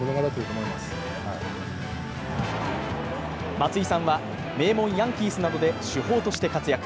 松井さんは名門ヤンキースなどで主砲として活躍。